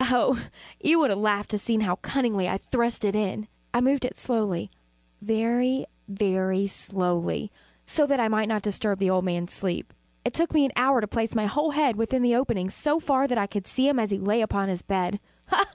Oh, you would have laughed to see how cunningly I thrust it in! I moved it slowly very, very slowly, so that I might not disturb the old man's sleep. It took me an hour to place my whole head within the opening so far that I could see him as he lay upon his bed. Ha!